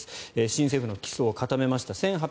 新政府の基礎を固めました。